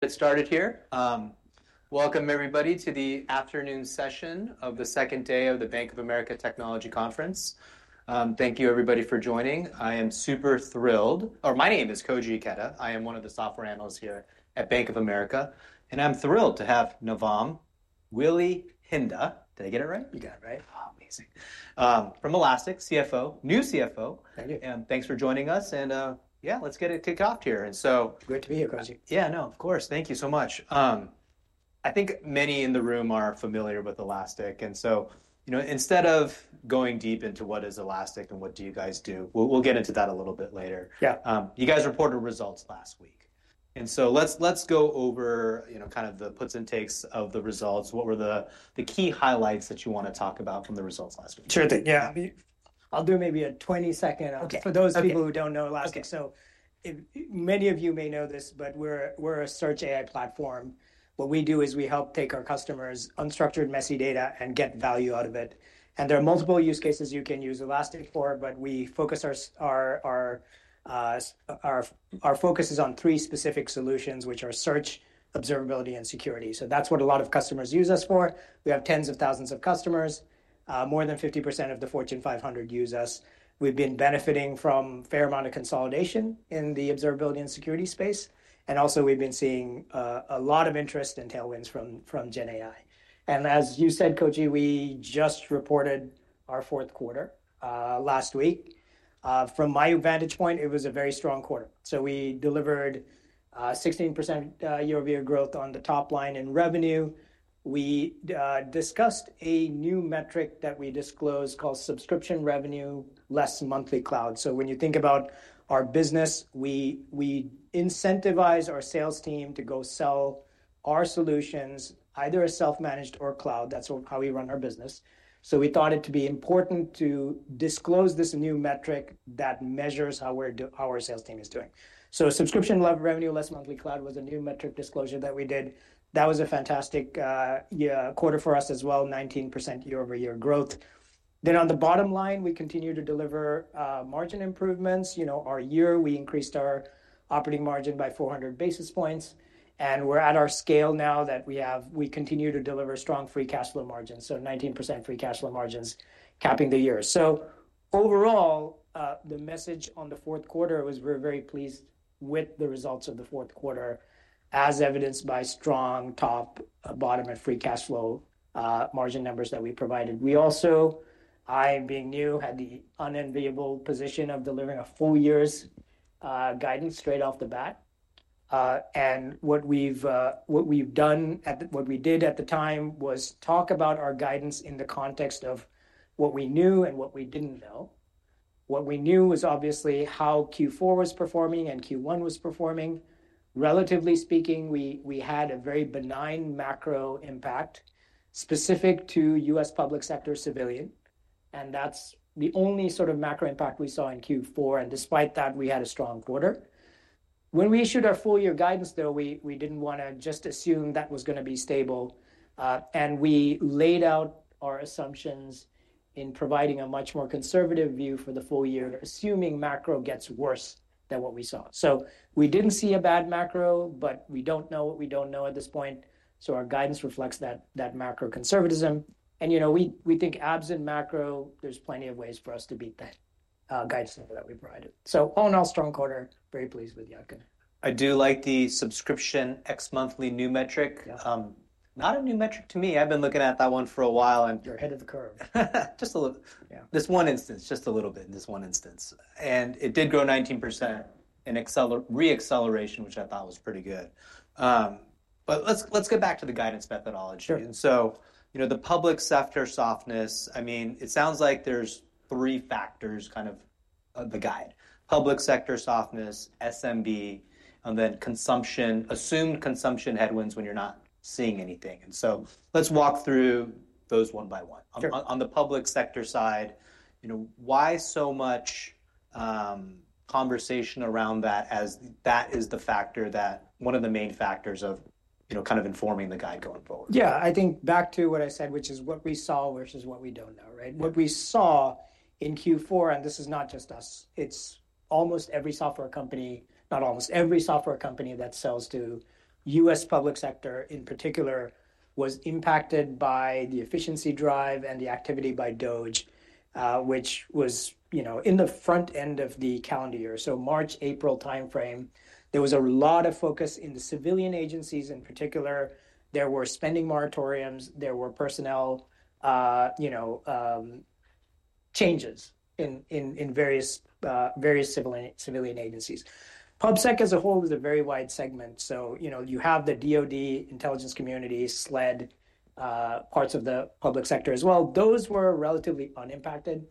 That started here. Welcome, everybody, to the afternoon session of the second day of the Bank of America Technology Conference. Thank you, everybody, for joining. I am super thrilled—or my name is Koji Ikeda. I am one of the software analysts here at Bank of America. I am thrilled to have Navam Welihinda. Did I get it right? You got it right. Amazing. From Elastic, CFO, new CFO. Thank you. Thanks for joining us. Yeah, let's get it kicked off here. Great to be here, Koji. Yeah, no, of course. Thank you so much. I think many in the room are familiar with Elastic. And so, you know, instead of going deep into what is Elastic and what do you guys do, we will get into that a little bit later. Yeah. You guys reported results last week. Let's go over kind of the puts and takes of the results. What were the key highlights that you want to talk about from the results last week? Sure thing. Yeah. I'll do maybe a 20-second. OK. For those people who do not know Elastic. Many of you may know this, but we are a search AI platform. What we do is we help take our customers' unstructured, messy data and get value out of it. There are multiple use cases you can use Elastic for, but we focus our focus on three specific solutions, which are search, observability, and security. That is what a lot of customers use us for. We have tens of thousands of customers. More than 50% of the Fortune 500 use us. We have been benefiting from a fair amount of consolidation in the observability and security space. We have also been seeing a lot of interest in tailwinds from GenAI. As you said, Koji, we just reported our fourth quarter last week. From my vantage point, it was a very strong quarter. We delivered 16% year-over-year growth on the top line in revenue. We discussed a new metric that we disclosed called subscription revenue less monthly cloud. When you think about our business, we incentivize our sales team to go sell our solutions, either self-managed or cloud. That's how we run our business. We thought it to be important to disclose this new metric that measures how our sales team is doing. Subscription revenue less monthly cloud was a new metric disclosure that we did. That was a fantastic quarter for us as well, 19% year-over-year growth. On the bottom line, we continue to deliver margin improvements. You know, our year, we increased our operating margin by 400 basis points. We're at our scale now that we have, we continue to deliver strong free cash flow margins, 19% free cash flow margins capping the year. Overall, the message on the fourth quarter was we're very pleased with the results of the fourth quarter, as evidenced by strong top, bottom, and free cash flow margin numbers that we provided. We also, I being new, had the unenviable position of delivering a full year's guidance straight off the bat. What we did at the time was talk about our guidance in the context of what we knew and what we did not know. What we knew was obviously how Q4 was performing and Q1 was performing. Relatively speaking, we had a very benign macro impact specific to U.S. public sector civilian. That is the only sort of macro impact we saw in Q4. Despite that, we had a strong quarter. When we issued our full year guidance, though, we did not want to just assume that was going to be stable. We laid out our assumptions in providing a much more conservative view for the full year, assuming macro gets worse than what we saw. We did not see a bad macro, but we do not know what we do not know at this point. Our guidance reflects that macro conservatism. You know, we think absent macro, there are plenty of ways for us to beat that guidance that we provided. All in all, strong quarter, very pleased with the outcome. I do like the subscription ex-monthly new metric. Not a new metric to me. I've been looking at that one for a while. You're ahead of the curve. Just a little. Yeah. This one instance, just a little bit in this one instance. It did grow 19% in re-acceleration, which I thought was pretty good. Let's get back to the guidance methodology. Sure. You know, the public sector softness, I mean, it sounds like there's three factors kind of the guide: public sector softness, SMB, and then consumption, assumed consumption headwinds when you're not seeing anything. Let's walk through those one by one. Sure. On the public sector side, you know, why so much conversation around that as that is the factor that one of the main factors of kind of informing the guide going forward? Yeah, I think back to what I said, which is what we saw versus what we do not know, right? What we saw in Q4, and this is not just us, it is almost every software company, not almost every software company that sells to U.S. public sector in particular, was impacted by the efficiency drive and the activity by DOGE, which was, you know, in the front end of the calendar year. So March, April time frame, there was a lot of focus in the civilian agencies in particular. There were spending moratoriums. There were personnel, you know, changes in various civilian agencies. PubSec as a whole was a very wide segment. You have the DoD intelligence community, SLED, parts of the public sector as well. Those were relatively unimpacted.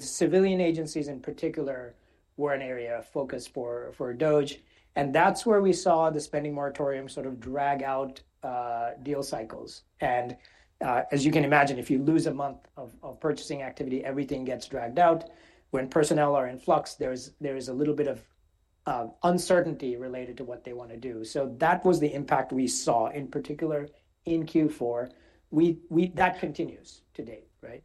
Civilian agencies in particular were an area of focus for DOGE. That is where we saw the spending moratorium sort of drag out deal cycles. As you can imagine, if you lose a month of purchasing activity, everything gets dragged out. When personnel are in flux, there is a little bit of uncertainty related to what they want to do. That was the impact we saw in particular in Q4. That continues today, right?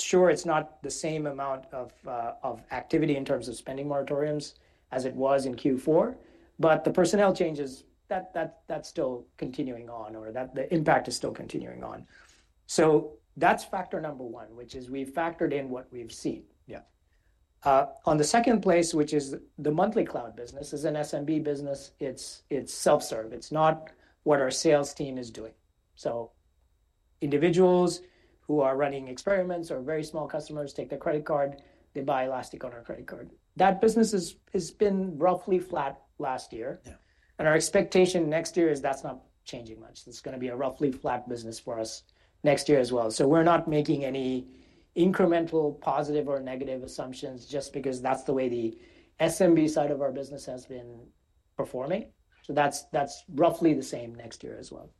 Sure, it is not the same amount of activity in terms of spending moratoriums as it was in Q4, but the personnel changes, that is still continuing on, or the impact is still continuing on. That is factor number one, which is we have factored in what we have seen. Yeah. On the second place, which is the monthly cloud business, is an SMB business. It is self-serve. It is not what our sales team is doing. Individuals who are running experiments or very small customers take their credit card. They buy Elastic on our credit card. That business has been roughly flat last year. Yeah. Our expectation next year is that's not changing much. It's going to be a roughly flat business for us next year as well. We're not making any incremental positive or negative assumptions just because that's the way the SMB side of our business has been performing. That's roughly the same next year as well.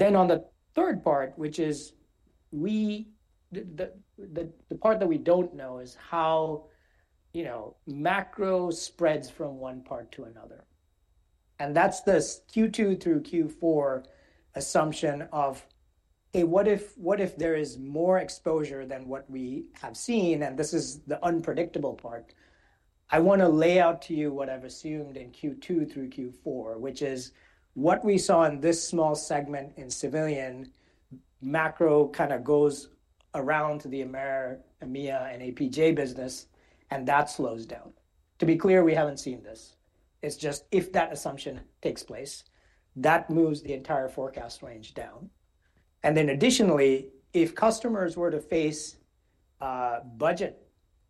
On the third part, which is the part that we don't know, is how, you know, macro spreads from one part to another. That's this Q2 through Q4 assumption of, hey, what if there is more exposure than what we have seen? This is the unpredictable part. I want to lay out to you what I've assumed in Q2 through Q4, which is what we saw in this small segment in civilian. Macro kind of goes around to the EMEA and APJ business, and that slows down. To be clear, we haven't seen this. It's just if that assumption takes place, that moves the entire forecast range down. Additionally, if customers were to face budget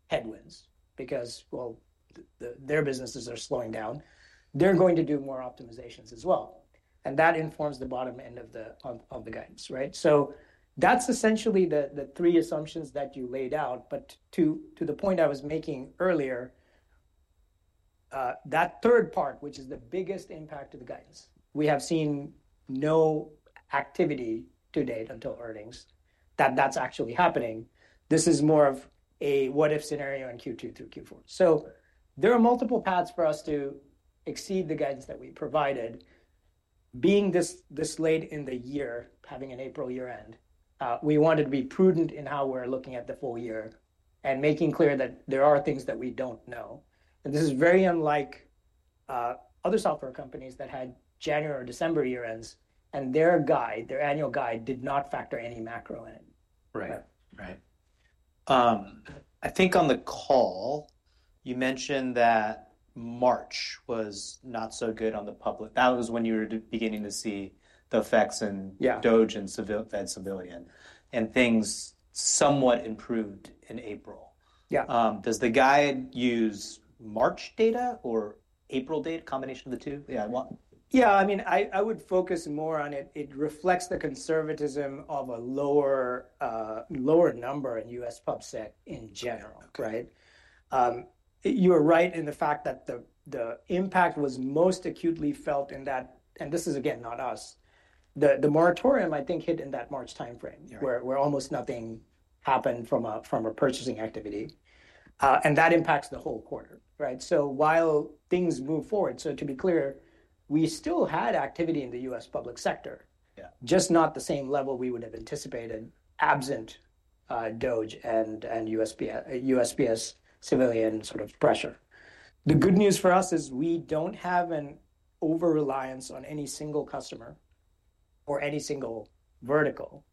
headwinds because, well, their businesses are slowing down, they're going to do more optimizations as well. That informs the bottom end of the guidance, right? That's essentially the three assumptions that you laid out. To the point I was making earlier, that third part, which is the biggest impact of the guidance, we have seen no activity to date until earnings that that's actually happening. This is more of a what-if scenario in Q2 through Q4. There are multiple paths for us to exceed the guidance that we provided. Being this late in the year, having an April year-end, we wanted to be prudent in how we're looking at the full year and making clear that there are things that we don't know. This is very unlike other software companies that had January or December year-ends, and their guide, their annual guide, did not factor any macro in. Right. Right. I think on the call, you mentioned that March was not so good on the public. That was when you were beginning to see the effects in DOGE and Fed civilian, and things somewhat improved in April. Yeah. Does the guide use March data or April data, a combination of the two? Yeah. Yeah, I mean, I would focus more on it. It reflects the conservatism of a lower number in U.S. PubSec in general, right? You were right in the fact that the impact was most acutely felt in that, and this is, again, not us. The moratorium, I think, hit in that March time frame where almost nothing happened from a purchasing activity. That impacts the whole quarter, right? While things move forward, to be clear, we still had activity in the U.S. public sector, just not the same level we would have anticipated absent DOGE and U.S. PS civilian sort of pressure. The good news for us is we do not have an over-reliance on any single customer or any single vertical.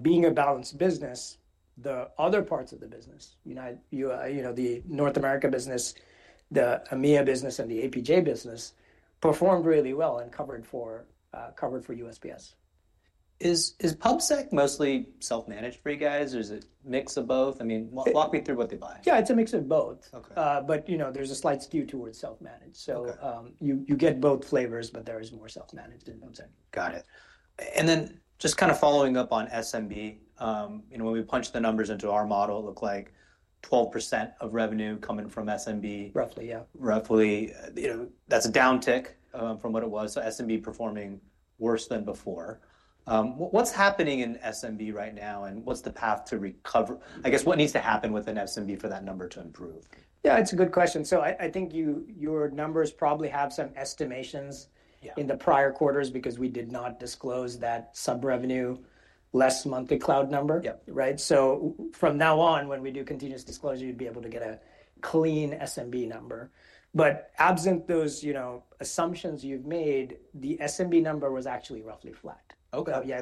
Being a balanced business, the other parts of the business, you know, the North America business, the EMEA business, and the APJ business performed really well and covered for U.S. PS. Is PubSec mostly self-managed for you guys, or is it a mix of both? I mean, walk me through what they buy. Yeah, it's a mix of both. OK. You know, there's a slight skew towards self-managed. You get both flavors, but there is more self-managed in PubSec. Got it. And then just kind of following up on SMB, you know, when we punched the numbers into our model, it looked like 12% of revenue coming from SMB. Roughly, yeah. Roughly, you know, that's a downtick from what it was. So SMB performing worse than before. What's happening in SMB right now, and what's the path to recover? I guess what needs to happen within SMB for that number to improve? Yeah, it's a good question. I think your numbers probably have some estimations in the prior quarters because we did not disclose that subscription revenue less monthly cloud number, right? From now on, when we do continuous disclosure, you'd be able to get a clean SMB number. Absent those, you know, assumptions you've made, the SMB number was actually roughly flat. OK. Yeah,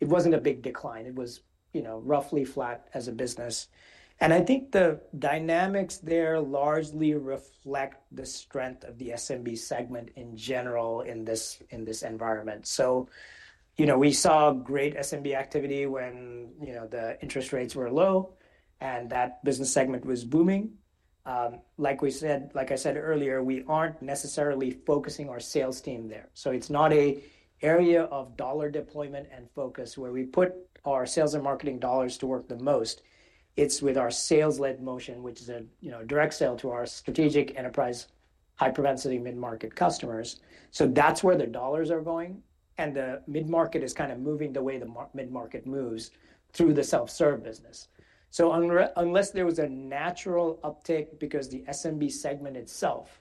it wasn't a big decline. It was, you know, roughly flat as a business. I think the dynamics there largely reflect the strength of the SMB segment in general in this environment. You know, we saw great SMB activity when, you know, the interest rates were low and that business segment was booming. Like we said, like I said earlier, we aren't necessarily focusing our sales team there. It's not an area of dollar deployment and focus where we put our sales and marketing dollars to work the most. It's with our sales-led motion, which is a direct sale to our strategic enterprise, high-propensity mid-market customers. That's where the dollars are going. The mid-market is kind of moving the way the mid-market moves through the self-serve business. Unless there was a natural uptick because the SMB segment itself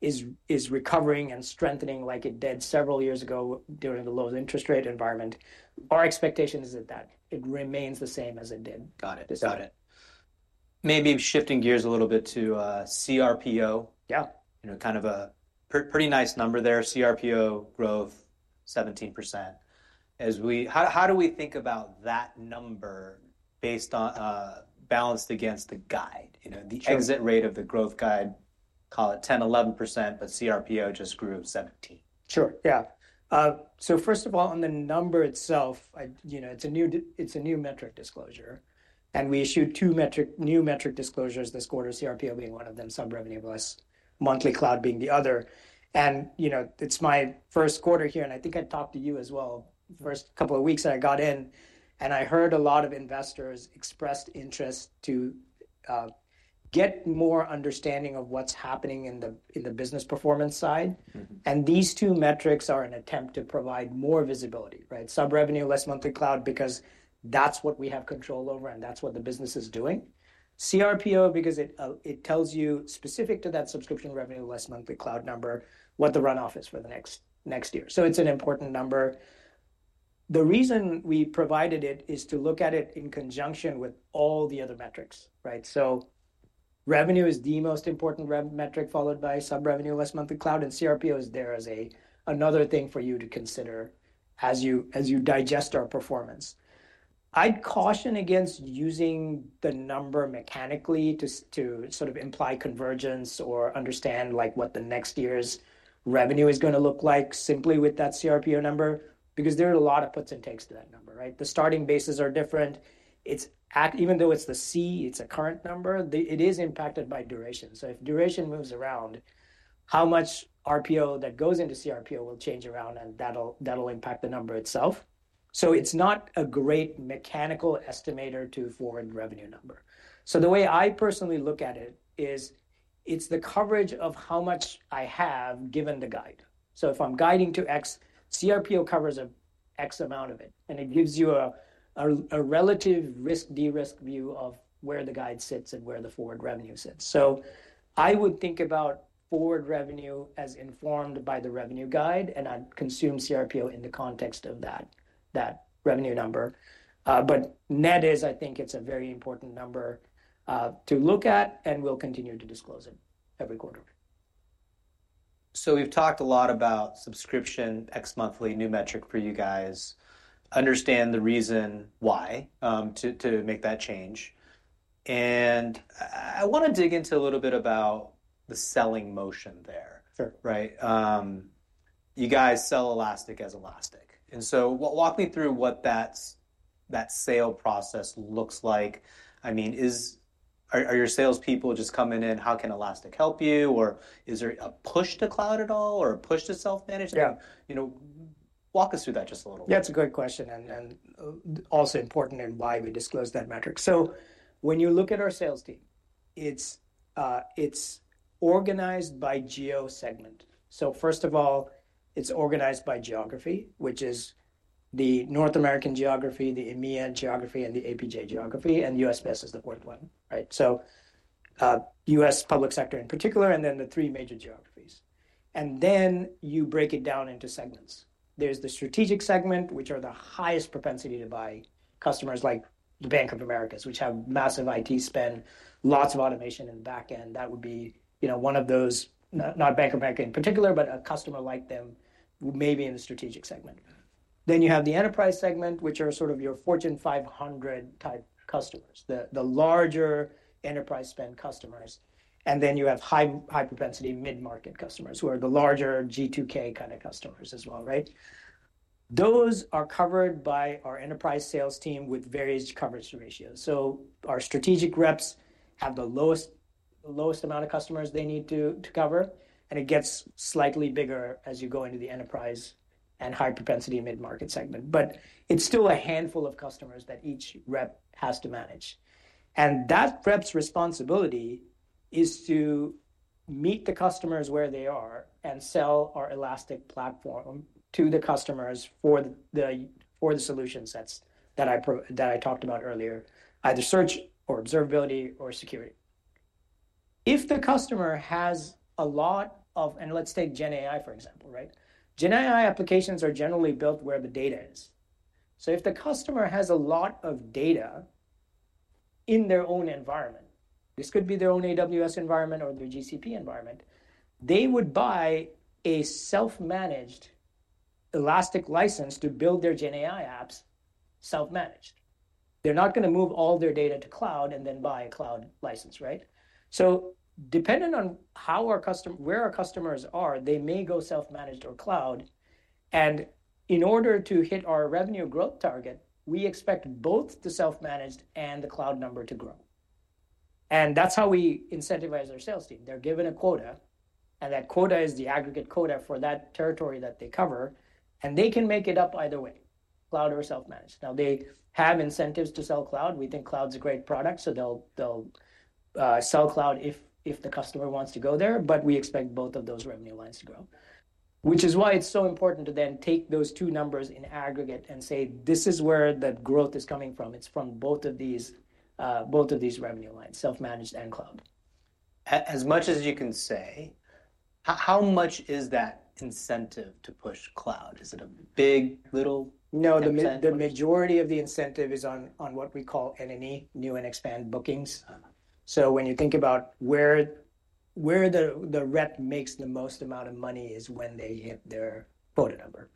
is recovering and strengthening like it did several years ago during the low interest rate environment, our expectation is that it remains the same as it did. Got it. Got it. Maybe shifting gears a little bit to cRPO. Yeah. You know, kind of a pretty nice number there. cRPO growth 17%. How do we think about that number based on balanced against the guide? You know, the exit rate of the growth guide, call it 10%, 11%, but cRPO just grew 17%. Sure, yeah. First of all, on the number itself, you know, it's a new metric disclosure. We issued two new metric disclosures this quarter, cRPO being one of them, sub-revenue less, monthly cloud being the other. You know, it's my first quarter here, and I think I talked to you as well the first couple of weeks that I got in. I heard a lot of investors expressed interest to get more understanding of what's happening in the business performance side. These two metrics are an attempt to provide more visibility, right? Sub-revenue, less monthly cloud, because that's what we have control over and that's what the business is doing. cRPO, because it tells you specific to that subscription revenue, less monthly cloud number, what the runoff is for the next year. It's an important number. The reason we provided it is to look at it in conjunction with all the other metrics, right? Revenue is the most important metric, followed by sub-revenue, less monthly cloud. cRPO is there as another thing for you to consider as you digest our performance. I'd caution against using the number mechanically to sort of imply convergence or understand like what the next year's revenue is going to look like simply with that cRPO number, because there are a lot of puts and takes to that number, right? The starting bases are different. Even though it's the C, it's a current number, it is impacted by duration. If duration moves around, how much RPO that goes into cRPO will change around, and that'll impact the number itself. It's not a great mechanical estimator to forward revenue number. The way I personally look at it is it's the coverage of how much I have given the guide. If I'm guiding to X, cRPO covers an X amount of it. It gives you a relative risk/derisk view of where the guide sits and where the forward revenue sits. I would think about forward revenue as informed by the revenue guide, and I'd consume cRPO in the context of that revenue number. Net is, I think it's a very important number to look at, and we'll continue to disclose it every quarter. We've talked a lot about subscription, X monthly, new metric for you guys. I understand the reason why to make that change. I want to dig into a little bit about the selling motion there, right? You guys sell Elastic as Elastic. Walk me through what that sale process looks like. I mean, are your salespeople just coming in? How can Elastic help you? Or is there a push to cloud at all, or a push to self-management? You know, walk us through that just a little bit. Yeah, it's a great question and also important in why we disclose that metric. When you look at our sales team, it's organized by geo segment. First of all, it's organized by geography, which is the North American geography, the EMEA geography, and the APJ geography. U.S. public sector is the fourth one, right? U.S. public sector in particular, and then the three major geographies. Then you break it down into segments. There's the strategic segment, which are the highest propensity to buy customers like the Bank of America, which have massive IT spend, lots of automation in the backend. That would be, you know, one of those, not Bank of America in particular, but a customer like them may be in the strategic segment. Then you have the enterprise segment, which are sort of your Fortune 500 type customers, the larger enterprise spend customers. You have high-propensity mid-market customers who are the larger G2K kind of customers as well, right? Those are covered by our enterprise sales team with various coverage ratios. Our strategic reps have the lowest amount of customers they need to cover. It gets slightly bigger as you go into the enterprise and high-propensity mid-market segment. It is still a handful of customers that each rep has to manage. That rep's responsibility is to meet the customers where they are and sell our Elastic platform to the customers for the solutions that I talked about earlier, either search or observability or security. If the customer has a lot of, and let's take GenAI, for example, right? GenAI applications are generally built where the data is. If the customer has a lot of data in their own environment, this could be their own AWS environment or their GCP environment, they would buy a self-managed Elastic license to build their GenAI apps self-managed. They're not going to move all their data to cloud and then buy a cloud license, right? Depending on where our customers are, they may go self-managed or cloud. In order to hit our revenue growth target, we expect both the self-managed and the cloud number to grow. That's how we incentivize our sales team. They're given a quota, and that quota is the aggregate quota for that territory that they cover. They can make it up either way, cloud or self-managed. They have incentives to sell cloud. We think cloud's a great product, so they'll sell cloud if the customer wants to go there. We expect both of those revenue lines to grow, which is why it's so important to then take those two numbers in aggregate and say, this is where the growth is coming from. It's from both of these revenue lines, self-managed and cloud. As much as you can say, how much is that incentive to push cloud? Is it a big, little percent? No, the majority of the incentive is on what we call N&E, new and expand bookings. When you think about where the rep makes the most amount of money is when they hit their quota number.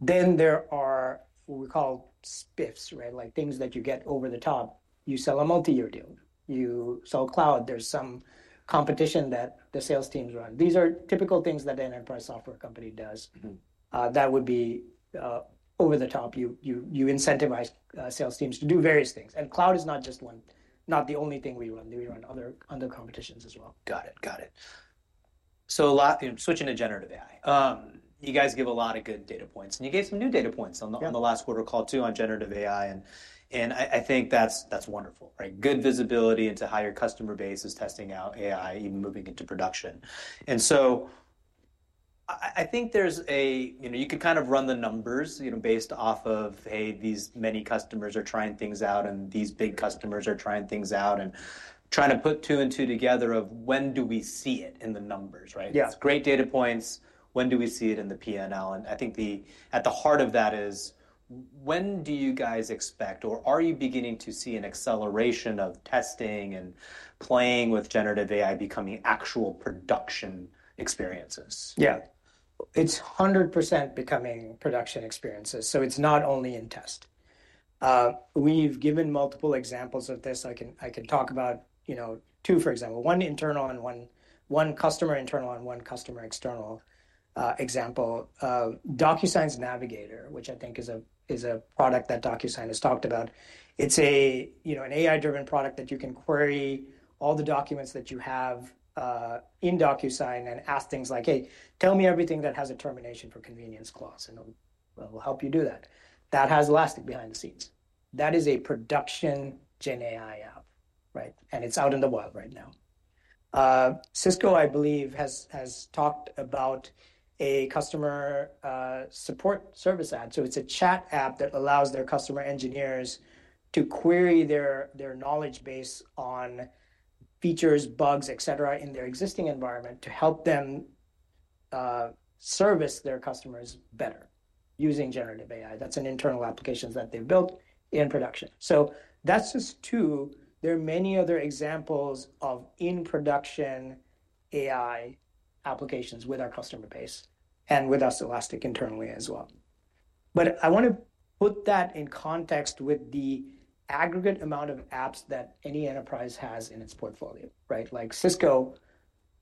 There are what we call spiffs, right? Like things that you get over the top. You sell a multi-year deal. You sell cloud. There is some competition that the sales teams run. These are typical things that an enterprise software company does that would be over the top. You incentivize sales teams to do various things. Cloud is not just one, not the only thing we run. We run other competitions as well. Got it, got it. Switching to Generative AI, you guys give a lot of good data points. You gave some new data points on the last quarter call too on Generative AI. I think that's wonderful, right? Good visibility into higher customer bases testing out AI, even moving into production. I think there's a, you know, you could kind of run the numbers, you know, based off of, hey, these many customers are trying things out, and these big customers are trying things out, and trying to put two and two together of when do we see it in the numbers, right? Yeah. It's great data points. When do we see it in the P&L? I think at the heart of that is, when do you guys expect, or are you beginning to see an acceleration of testing and playing with Generative AI becoming actual production experiences? Yeah. It's 100% becoming production experiences. It's not only in test. We've given multiple examples of this. I can talk about, you know, two, for example, one internal and one customer internal and one customer external example. Docusign's Navigator, which I think is a product that Docusign has talked about. It's an AI-driven product that you can query all the documents that you have in Docusign and ask things like, hey, tell me everything that has a termination for convenience clause, and we'll help you do that. That has Elastic behind the scenes. That is a production GenAI app, right? It's out in the wild right now. Cisco, I believe, has talked about a customer support service ad. It is a chat app that allows their customer engineers to query their knowledge base on features, bugs, et cetera, in their existing environment to help them service their customers better using Generative AI. that is an internal application that they have built in production. That is just two. There are many other examples of in-production AI applications with our customer base and with us, Elastic, internally as well. I want to put that in context with the aggregate amount of apps that any enterprise has in its portfolio, right? Like Cisco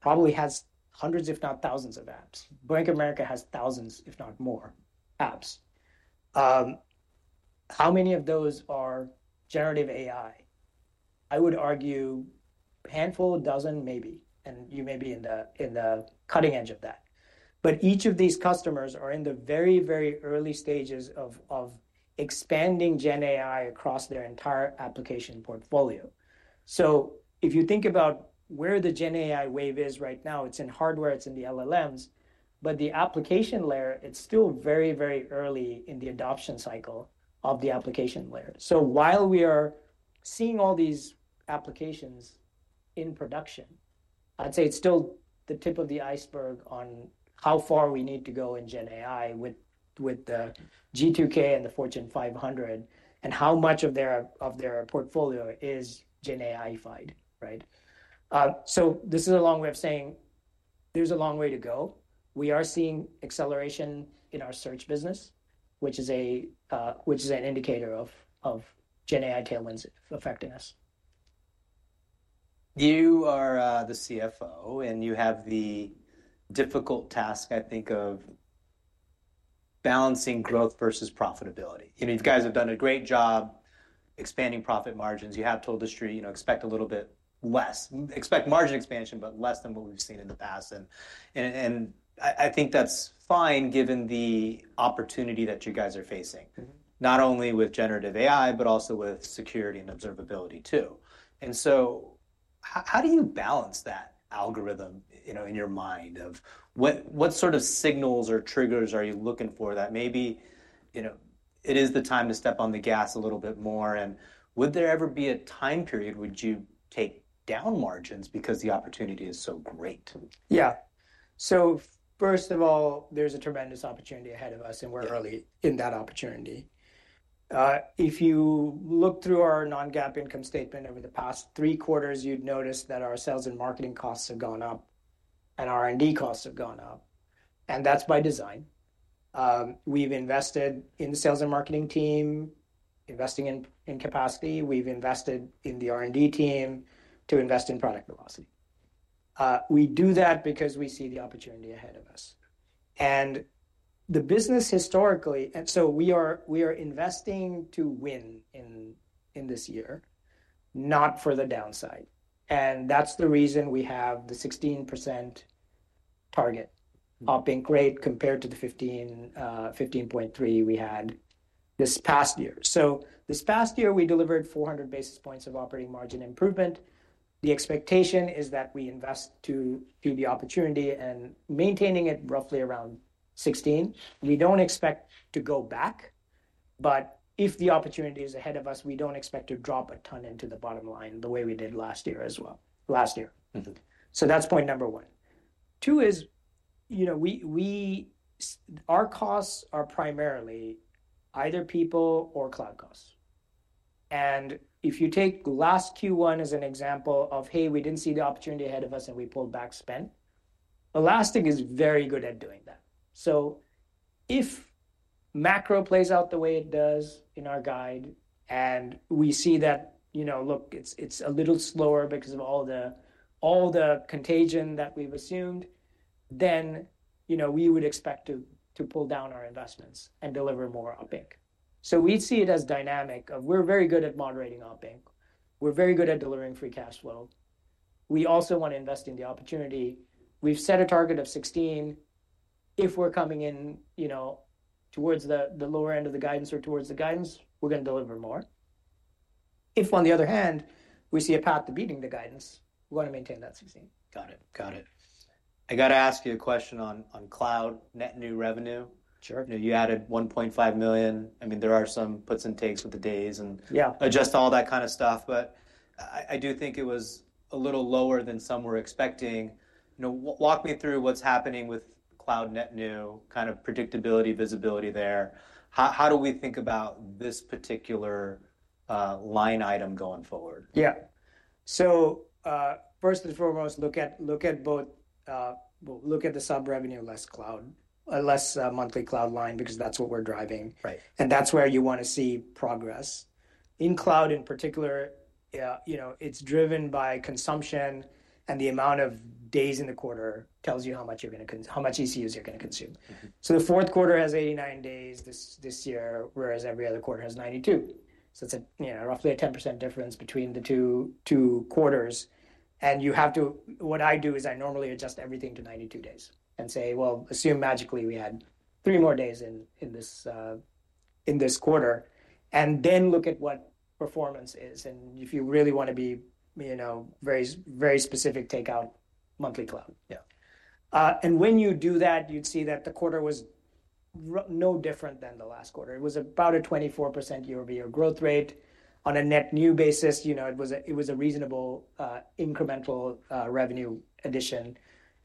probably has hundreds, if not thousands of apps. Bank of America has thousands, if not more apps. How many of those are Generative AI? I would argue a handful, a dozen, maybe. You may be in the cutting edge of that. Each of these customers are in the very, very early stages of expanding GenAI across their entire application portfolio. If you think about where the GenAI wave is right now, it's in hardware, it's in the LLMs. The application layer, it's still very, very early in the adoption cycle of the application layer. While we are seeing all these applications in production, I'd say it's still the tip of the iceberg on how far we need to go in GenAI with the G2K and the Fortune 500 and how much of their portfolio is GenAI-ified, right? This is a long way of saying there's a long way to go. We are seeing acceleration in our search business, which is an indicator of GenAI tailwinds affecting us. You are the CFO, and you have the difficult task, I think, of balancing growth versus profitability. You know, you guys have done a great job expanding profit margins. You have told us to, you know, expect a little bit less, expect margin expansion, but less than what we've seen in the past. I think that's fine given the opportunity that you guys are facing, not only with Generative AI, but also with security and observability too. How do you balance that algorithm, you know, in your mind of what sort of signals or triggers are you looking for that maybe, you know, it is the time to step on the gas a little bit more? Would there ever be a time period would you take down margins because the opportunity is so great? Yeah. First of all, there's a tremendous opportunity ahead of us, and we're early in that opportunity. If you look through our non-GAAP income statement over the past three quarters, you'd notice that our sales and marketing costs have gone up, and R&D costs have gone up. That's by design. We've invested in the sales and marketing team, investing in capacity. We've invested in the R&D team to invest in product velocity. We do that because we see the opportunity ahead of us. The business historically, and we are investing to win in this year, not for the downside. That's the reason we have the 16% target up in great compared to the 15.3% we had this past year. This past year, we delivered 400 basis points of operating margin improvement. The expectation is that we invest to the opportunity and maintaining it roughly around 16. We do not expect to go back. If the opportunity is ahead of us, we do not expect to drop a ton into the bottom line the way we did last year as well. Last year. That is point number one. Two is, you know, our costs are primarily either people or cloud costs. If you take last Q1 as an example of, hey, we did not see the opportunity ahead of us, and we pulled back spend, Elastic is very good at doing that. If macro plays out the way it does in our guide and we see that, you know, look, it is a little slower because of all the contagion that we have assumed, then, you know, we would expect to pull down our investments and deliver more upink. We see it as dynamic of we're very good at moderating upink. We're very good at delivering free cash flow. We also want to invest in the opportunity. We've set a target of 16. If we're coming in, you know, towards the lower end of the guidance or towards the guidance, we're going to deliver more. If on the other hand, we see a path to beating the guidance, we want to maintain that 16. Got it, got it. I got to ask you a question on cloud net new revenue. Sure. You added $1.5 million. I mean, there are some puts and takes with the days and adjust all that kind of stuff. I do think it was a little lower than some were expecting. You know, walk me through what's happening with cloud net new, kind of predictability, visibility there. How do we think about this particular line item going forward? Yeah. So first and foremost, look at both, look at the sub-revenue, less cloud, less monthly cloud line because that's what we're driving. And that's where you want to see progress. In cloud in particular, you know, it's driven by consumption, and the amount of days in the quarter tells you how much you're going to, how much ECUs you're going to consume. The fourth quarter has 89 days this year, whereas every other quarter has 92. It's a, you know, roughly a 10% difference between the two quarters. You have to, what I do is I normally adjust everything to 92 days and say, assume magically we had three more days in this quarter, and then look at what performance is. If you really want to be, you know, very, very specific, take out monthly cloud. Yeah. When you do that, you'd see that the quarter was no different than the last quarter. It was about a 24% year-over-year growth rate. On a net new basis, you know, it was a reasonable incremental revenue addition.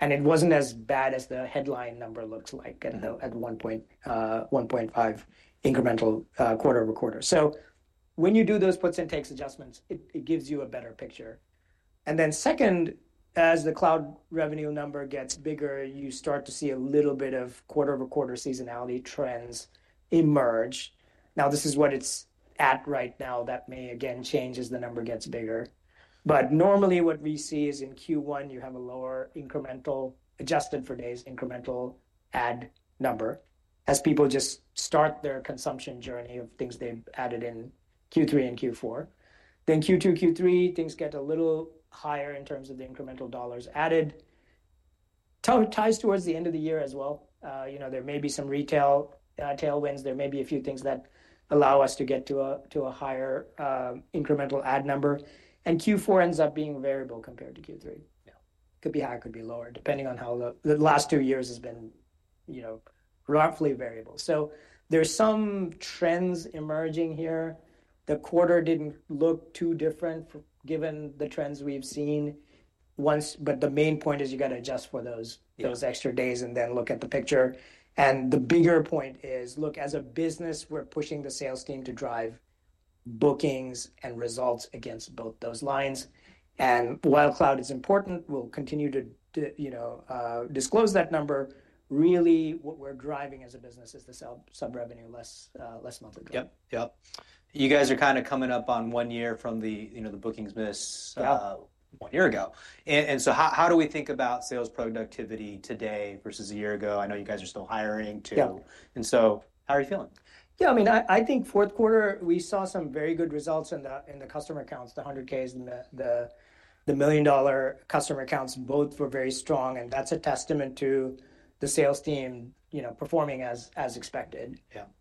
It wasn't as bad as the headline number looks like at one point, 1.5 incremental quarter over quarter. When you do those puts and takes adjustments, it gives you a better picture. Second, as the cloud revenue number gets bigger, you start to see a little bit of quarter over quarter seasonality trends emerge. This is what it's at right now. That may, again, change as the number gets bigger. Normally what we see is in Q1, you have a lower incremental, adjusted for days, incremental add number as people just start their consumption journey of things they've added in Q3 and Q4. Q2, Q3, things get a little higher in terms of the incremental dollars added. Ties towards the end of the year as well. You know, there may be some retail tailwinds. There may be a few things that allow us to get to a higher incremental add number. Q4 ends up being variable compared to Q3. It could be higher, it could be lower, depending on how the last two years has been, you know, roughly variable. There are some trends emerging here. The quarter did not look too different given the trends we have seen. The main point is you have to adjust for those extra days and then look at the picture. The bigger point is, look, as a business, we are pushing the sales team to drive bookings and results against both those lines. While cloud is important, we'll continue to, you know, disclose that number. Really, what we're driving as a business is the subscription revenue less monthly cloud. Yep, yep. You guys are kind of coming up on one year from the, you know, the bookings miss one year ago. How do we think about sales productivity today versus a year ago? I know you guys are still hiring too. How are you feeling? Yeah, I mean, I think fourth quarter, we saw some very good results in the customer accounts, the 100Ks and the million-dollar customer accounts. Both were very strong. And that's a testament to the sales team, you know, performing as expected.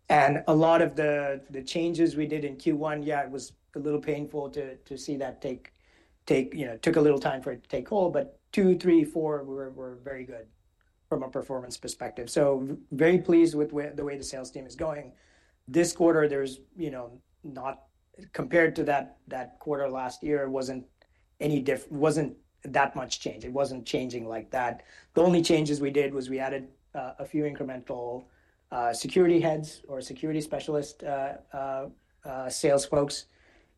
A lot of the changes we did in Q1, yeah, it was a little painful to see that take, you know, took a little time for it to take hold. Q2, Q3, Q4, we were very good from a performance perspective. Very pleased with the way the sales team is going. This quarter, there's, you know, not compared to that quarter last year, it wasn't any different, wasn't that much change. It wasn't changing like that. The only changes we did was we added a few incremental security heads or security specialist sales folks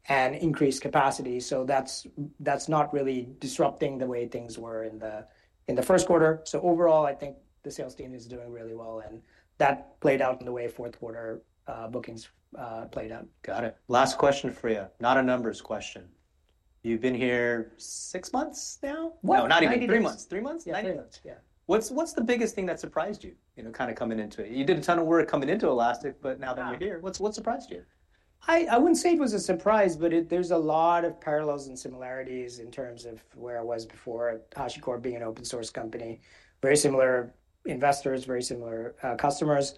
and increased capacity. That's not really disrupting the way things were in the first quarter. Overall, I think the sales team is doing really well. That played out in the way fourth quarter bookings played out. Got it. Last question for you. Not a numbers question. You've been here six months now? I mean. No, not even three months. Three months? Three months, yeah. What's the biggest thing that surprised you, you know, kind of coming into it? You did a ton of work coming into Elastic, but now that you're here, what surprised you? I would not say it was a surprise, but there is a lot of parallels and similarities in terms of where I was before, Ash Kulkarni being an open-source company. Very similar investors, very similar customers.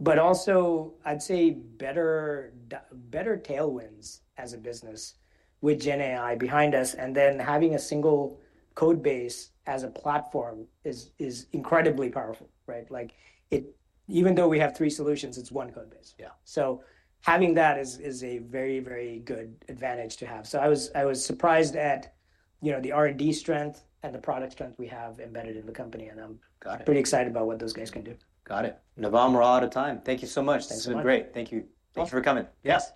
I would also say better tailwinds as a business with GenAI behind us. Having a single code base as a platform is incredibly powerful, right? Like it, even though we have three solutions, it is one code base. Yeah. Having that is a very, very good advantage to have. I was surprised at, you know, the R&D strength and the product strength we have embedded in the company. I am pretty excited about what those guys can do. Got it. Got it. Navam, we're out of time. Thank you so much. This has been great. Thank you. Thank you for coming. Yes.